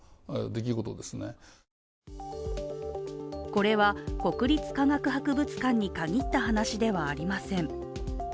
これは国立科学博物館に限った話ではありません。